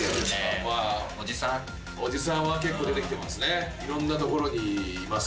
おじさんは結構出て来てますね。